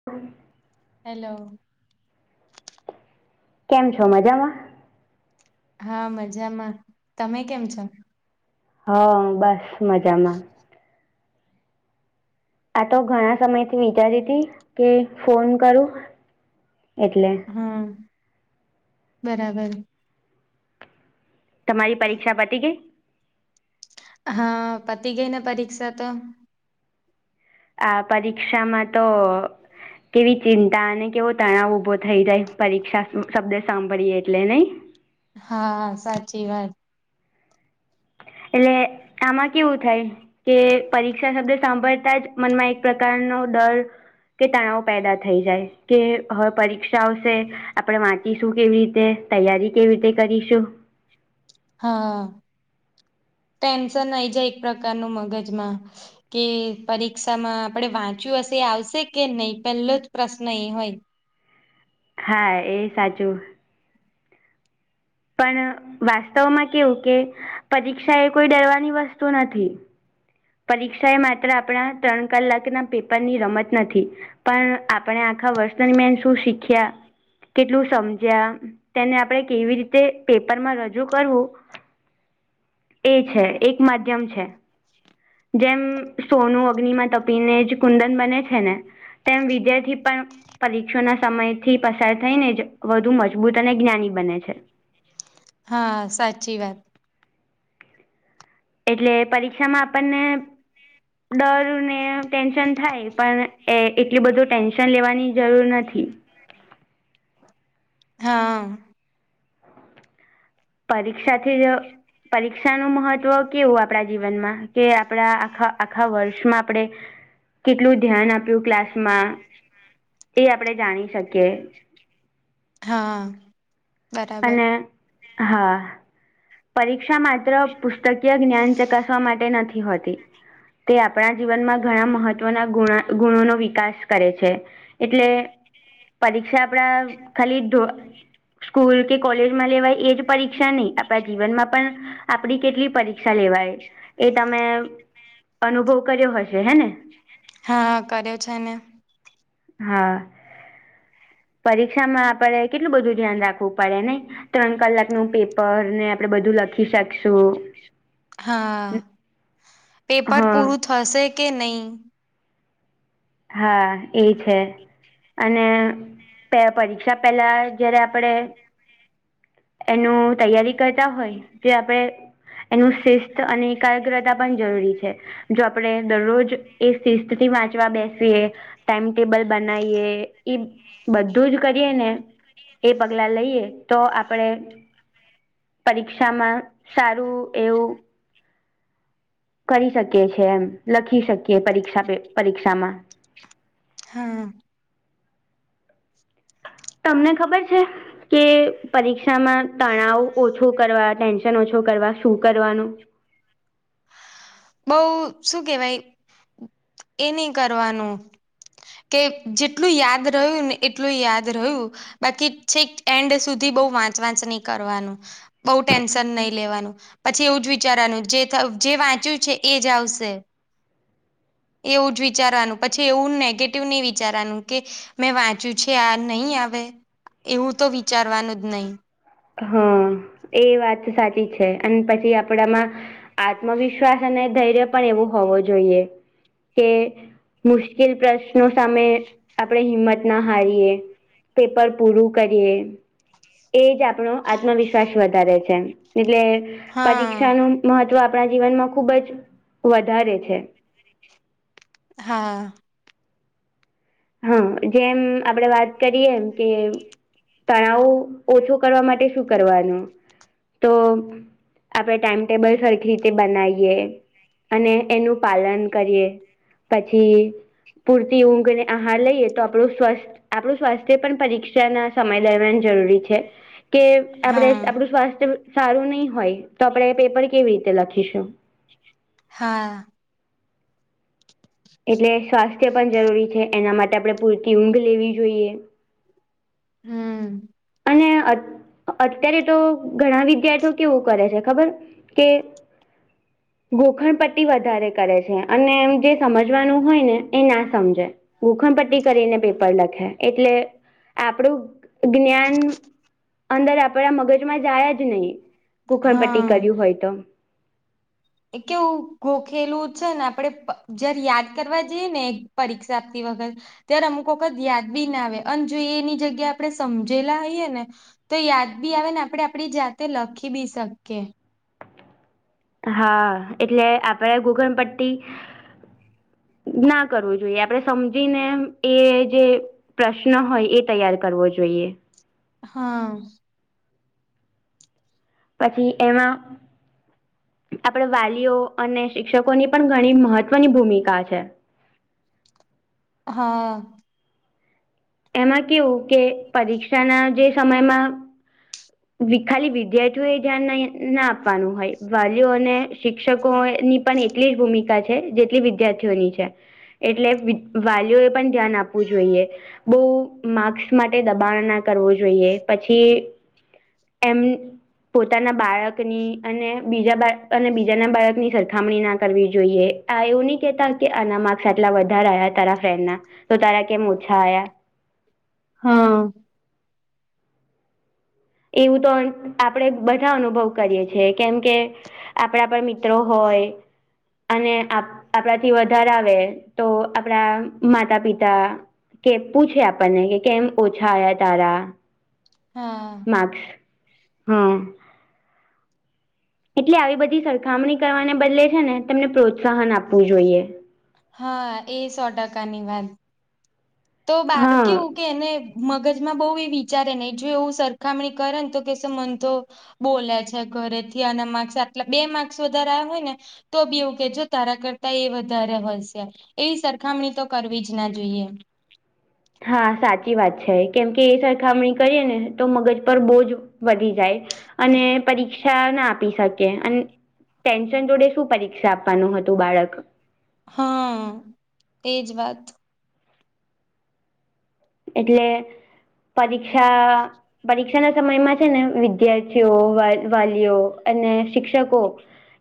[unintelligible] Hello. કેમ છો મજામાં? હા મજામાં, તમે કેમ છો? હા બસ મજામાં. આ તો ઘણા સમયથી વિચારી હતી કે ફોન કરું, એટલે. હા, બરાબર. તમારી પરીક્ષા પતી ગઈ? હા પતિ ગઈને પરીક્ષા તો. આ પરીક્ષામાં તો, કેવી ચિંતા અને કેવો તણાવ ઊભો થઈ જાય પરીક્ષા શબ્દ સાંભળીએ એટલે નહીં. હા સાચી વાત. એટલે આમાં કેવું થાય. કે પરીક્ષા શબ્દ સાંભળતા જ મનમાં એક પ્રકારનો ડર કે તણાવ પેદા થઈ જાય. કે હવે પરીક્ષા આવશે આપણેે વાંચીશું કેવી રીતે તૈયારી કેવી રીતે કરીશું. હા. ટેન્શન નાઈ જાય એક પ્રકારનું મગજમાં. કે પરીક્ષામાં આપણેે વાંચ્યું હશે એ આવશે કે નહી પેલો જ પ્રશ્ન એ હોય. હા એ સાચું. પણ વાસ્તવમાં કેવું કે, પરીક્ષા એ કોઈ ડરવાની વસ્તુ નથી. પરીક્ષા એ માત્ર આપણા ત્રણ કલાકના પેપરની રમત નથી. પણ આપણે આખા વર્ષ દરમિયાન શું શીખ્યા કેટલું સમજ્યા. તેને આપડણે કેવી રીતે પેપરમાં રજૂ કરવું. એ છે એક માધ્યમ છે. જેમ સોનું અગ્નિમાં તપીને જ કુંદન બને છે ને, તેમ વિજયથી પણ પરીક્ષાના સમય થી પસાર થઈ ને વધુ મજબૂત અને જ્ઞાની બને છે. હા સાચી વાત. એટલે પરીક્ષામાં આપણને ડર ને ટેન્શન થાય પણ એ એટલું બધું ટેન્શન લેવાની જરૂર નથી. હા. પરીક્ષાથી જ પરીક્ષાનું મહત્વ કેવું આપણા જીવનમાં કે આપણા આખા આખા વર્ષમાં આપણેે. કેટલું ધ્યાન આપ્યું ક્લાસમાં, એ આપણે જાણી શકીએ. હા. બરાબર અને, હા, પરીક્ષા માત્ર પુસ્તકીય જ્ઞાન ચકાસવા માટે નથી હોતી. તે આપણા જીવનમાં ઘણા મહત્વના ગુ ગુણોનોો વિકાસ કરે છે, એટલે પરીક્ષા આપડા ખાલી સ્કૂલ કે કોલેજમાં લેવાય એ જ પરીક્ષા નહી આપણા જીવનમાં પણ, આપડી કેટલી પરીક્ષા લેવાય. એ તમે અનુભવ કર્યો હશે હેને હા કર્યો છે ને હા પરીક્ષામાં આપડે કેટલું બધું ધ્યાન રાખવ હું પડે નહી ત્રણ કલાક નું પેપર ને આપડે બધું લખી શકશું. હા પેપર હા પૂરું થશે કે નહીં. હા એ છે. અને પે પરીક્ષા પહેલાં જ્યારે આપણે એનું તૈયારી કરતા હોય જે આપડણે એનું શિસ્થ અને એકાગ્રતા પણ જરૂરી છે. જો આપડે દરરોજ એ સ્સ્થિતિ વાંચવા બેસે એ ટાઈમ ટેબલ બનાવીએ ઈ બધું જ કરીએ ને એ પગલાં લઈએ તો આપણે પરીક્ષામાં સારું એવું. કરી શકીએ છે એમ લખી શકીએ પરીક્ષા પરીક્ષામાં હા. તમને ખબર છે. કે પરીક્ષામાં તણાવ ઓછો કરવા ટેન્શન ઓછો કરવા શું કરવાનું. પુ શું કેવાય એ નહીં કરવાનું. કે જેટલું યાદ રહ્યું ને એટલું યાદ રહ્યું બાકી છેક એન્ડ સુધી બહુ વાંચ વાંચ નહી કરવાનું. બહુ ટેન્શન નહી લેવાનું પછી એવું જ વિચારવાનું જે થયું જે વાંચ્યું છે એ જાવશે. [inaudible] એવું જ વિચારવાનું પછી એવું નેગેટિવ નહી વિચારવાનું કે મેં વાંચ્યું છે આ નહીં આવે એવું તો વિચારવાનું જ નહી. હા એ વાત સાચી છે અને પછી આપડામાં આત્મવિશ્વાસ અને ધૈર્ય પણ એવું હોવો જોઈએ. કે મુશ્કેલ પ્રશ્નો સામે આપણે હિંમત ના હારીએ. પેપર પૂરું કરીએ એ જ આપ આપણો આત્મવિશ્વાસ વધારે છે એટલે હા પરીક્ષા નું. મહત્વ આપણા જીવનમાં ખુબ જ વધારે છે. હા. હા જેમ આપડે વાત કરીએ એમ કે તણાવ ઓછો કરવા માટે શું કરવાનું તો આપણે ટાઈમટેબલ સરખી રીતે બનાવીએ. અને એનું પાલન કરીએ પછી પૂરતી ઊંઘ ને હા લઈએ તો આપણું સ્વસ્થ આપણું સ્વાસ્થ્ય પણ પરીક્ષા ના સમય દરમિયાન જરૂરી છે કે આપણે હા આપણું સ્વાસ્થ્ય સારું નહી હોય તો આપણેે એ પેપર કેવી રીતે લખીશું. હા. એટલે સ્વાસ્થ્ય પણ જરૂરી છે એના માટે આપણે પૂરતી ઊંઘ લેવી જોઈએ. હમ. અને અત્યારે તો ઘણા વિદ્યાર્થીઓ કેવું કરે છે ખબર કે ગોખણ પટ્ટી વધારે કરે છે અને એમ જે સમજવાનું હોય ને એ ના સમજે ઘૂખણ પટ્ટી કરીને પેપર લખે એટલે આપણું જ્ઞાન અંદર આપડા મગજમાં જયા જ નહી, કુખણપટ્ટી હા કર્યું હોય તો. કેવું ગોખેલું છે ને આપડણે જયારે યાદ કરવા જઈએ ને પરીક્ષા આપતી વગર. ત્યારે અમુક વખત યાદ બી ના આવે અને જો એ એની જગ્યા આપણે સમજેલા હોઈએ ને. તો યાદ બી આવે ને આપડણે આપડી જાતે લખી બી શકીએ. હા એટલે આપડ ઘોગનપટ્ટી. ના કરવું જોઈએ આપણેે સમજીને એ જે પ્રશ્ન હોય એ તૈયાર કરવો જોઈએ. હા. પછી એમાં આપણે વાલીઓ અને શિક્ષકોની પણ ઘણી મહત્વની ભૂમિકા છે. હા. એમાં કેવું કે પરીક્ષાના જે સમયમાં. ખાલી વિદ્યાર્થીઓ એ ધ્યાન ના આપવાનું હોય વાલીઓને શિક્ષકોની પણ એટલી જ ભૂમિકા છે જેટલી વિદ્યાર્થીઓની છે. એટલે વાલીઓ એ પણ ધ્યાન આપવું જોઈએ. બહુ માક્સ માટે દબાણ ના કરવું જોઈએ પછી એમ પોતાના બાળકની અને બીજા બા અને બીજાના બાળકની સરખામણી ના કરવી જોઈએ. એવું નહી કેતા કે આના માર્કસ આટલા વધારેા આવ્યા તારા ફ્રેન્ડ ના, તો તારા કેમ ઓછા આ્યા. હા. એવું તો આપણેે બધા અનુભવ કરીએ છ છેીએ કેમ કે આપણા આપણા મિત્રો હોય. અને આપણાથી વધારે આવે તો આપણા માતા પિતા કે પૂછે આપણને કે કેમ ઓછા આવયા તારા. હા. માસ્સ, હા. એટલે આવી બધી સરખામણી કરવાને બદલે છે ને તમને પ્રોત્સાહન આપવું જોઈએ. હા એ સો ટકાની વાત, તો બાાર હા કેવું કે એને મગજમાં બહુ એ વિચારે નને જો એવું સરખામણી કરે ને તો કેસો મન તો બોલે છે ઘરેથી અને માર્ક્સ આટલે બે માર્ક્સ વધારે આવ હોય ને. તો બીવું કેજો તારા કરતા એ વધારે હોશે. એવી સરખામણી તો કરવી જ ના જોઈએ. હા સાચી વાત છે કેમ કે એ સરખામણી કરીએ ને તો મગજ પર બહુ જ વધી જાય, અને પરીક્ષા ના આપી શકે. અને ટેન્શન જોડે શું પરીક્ષા આપવાનું હતું બાળક. હા, તેજ વાત. એટલે, પરીક્ષા પરીક્ષા ના સમયમાં છે ને વિદ્યાર્થીઓ વાલીઓ અને શિક્ષકો.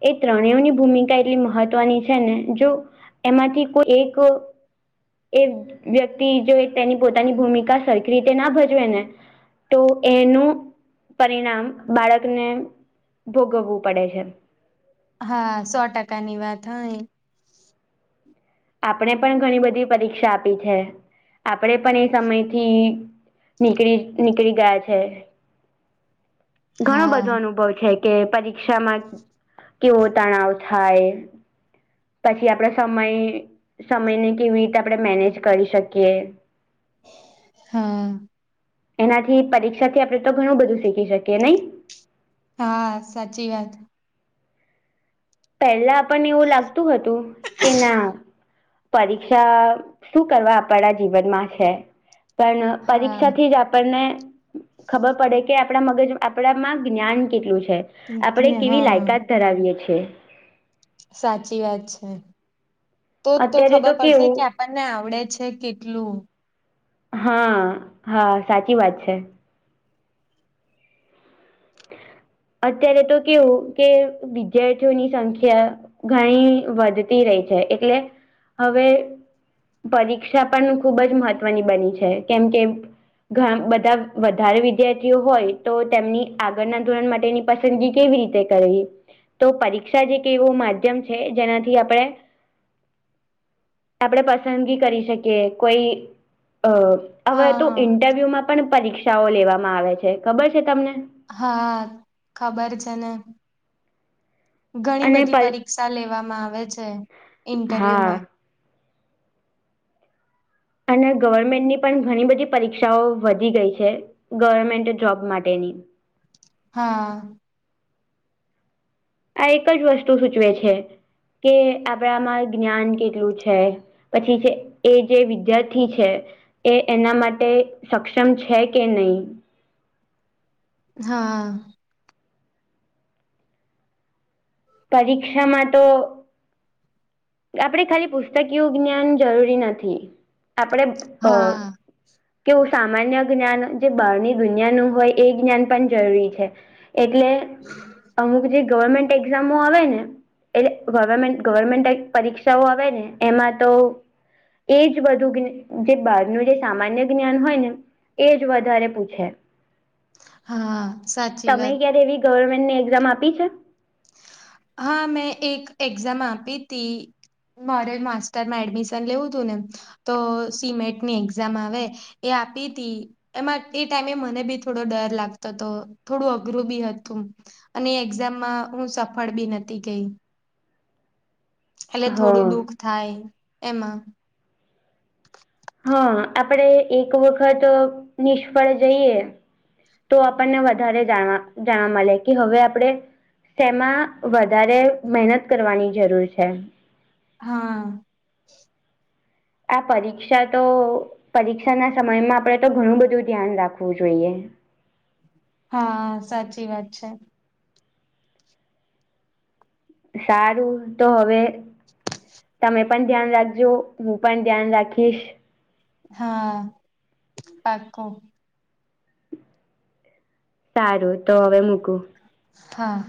એ ત્રણેની ભૂમિકા એટલી મહત્વની છે ને જો, એમાંથી કોઈ એક એ વ્યક્તિ જો તેની પોતાની ભૂમિકા સરખી રીતે ના ભજવે ને. તો એનું પરિણામ બાળકને ભોગવવું પડે છે. હા સો ટકા ની વાત હય. આપણે પણ ઘણી બધી પરીક્ષા આપી છે, આપણેે પણ એ સમયથી નીકરી નીકળી ગયા છે. ઘણો હા બધો અનુભવ છે કે પરીક્ષામાં કેવો તણાવ થાય? પછી આપડા સમય, સમયને કેવી રીતે આપણે મેનેજ કરી શકીએ? હા. એનાથી પરીક્ષા થી આપડે તો ઘણું બધું શીખી શકીએ નય. હા સાચી વાત. પહેલા આપણને એવું લાગતું હતું કે ના. પરીક્ષા શું કરવા આપણા જીવનમાં છે? પણ હા પરીક્ષાથી જ આપણને ખબર પડે કે આપણા મગજ આપણામાં જ્ઞાન કેટલું છે? આપડે ને કેવી હા લાયકાત કરાવીએ છીએ. સાચી વાત છે તો તો અત્યારે ખબર પડશે કે કેવું આપ આપણને આવડે છે કેટલું? હા હા સાચી વાત છે. અત્યારે તો કેવું કે વિદ્યાર્થીઓની સંખ્યા ઘણી વધતી રહી છે એટલે હવે પરીક્ષા પણ ખુબ જ મહત્વની બની છે કેમ કે ઘ બધા વધારે વિદ્યાર્થીઓ હોય તો તેમની આગળના ધોરણ માટેની પસંદગી કેવી રીતે કરવી? તો પરીક્ષા જ એક એવું માધ્યમ છે જેનાથી આપણે આપણે પસંદગી કરી શકીએ કોઈ અ હવે તો હા ઇન્ટરવ્યુ માં પણ પરીક્ષાઓ લેવામાં આવે છે ખબર છે તમને? હા ખબર છે ને ઘણી અને બધી પરી પર પરીક્ષા લેવામાં આવે છે ઇન્ટરવ્યુ હા માં. અને ગવર્મેન્ટની પણ ઘણી બધી પરીક્ષાઓ વધી ગઈ છે. ગવર્મેન્ટલ જોબ માટેની હા. આ એક જ વસ્તુ સૂચવે છે કે આપણામાં જ્ઞાન કેટલું છે? પછી છે એ જે વિદ્યાર્થી છે એ એના માટે સક્ષમ છે કે નહીં? હા. પરીક્ષામાં તો આપણે ખાલી પુસ્તકીય જ્ઞાન જરૂરી નથી. આપણે અ હા કેવું સામાન્ય જ્ઞાન જે બહારની દુનિયાનું હોય એ જ્ઞાન પણ જરૂરી છે. એટલે [unintelligible] અમુક જે ગવર્મેન્ટ એક્ઝામો આવે ને એટલે ગવર્મેન્ટ ગવર્મેન્ટ એક પરીક્ષાઓ આવે ને એમાં તો એજ બધું જે બહાર નું જે સામાન્ય જ્ઞાન હોય ને એ જ વધારે પૂછે. હા સાચી તમે વાત ક્યારે એવી ગવર્મેન્ટની એક્ઝામ આપી છે? હા મેં એક એક્ઝામ આપી તી મારે માસ્ટર માં એડમિશન લેવું તું ને તો સિમેટની એક્ઝામ આવે એ આપી તી એમાં એ ટાઈમે મને બી થોડો ડર લાગતો હતો થોડું અઘરું બી હતું. અને એક્ઝામમાં હું સફળ બી નતી ગઈ. એટલે હા થોડું દુઃખ થાય એમાં. હા આપડે એક વખત નિષ્ફળ જઈએ. તો આપણને વધારે જાણવા જાણવા મળે કે હવે આપણે તેમાં વધારે મહેનત કરવાની જરૂર છે. હા. આ પરીક્ષા તો પરીક્ષા ના સમયમાં આપણે તો ઘણું બધું ધ્યાન રાખવું જોઈએ. હા સાચી વાત છે. સારું તો હવે તમે પણ ધ્યાન રાખજો હું પણ ધ્યાન રાખીશ. હા પાક્કું. સારું તો હવે મૂકું. હા.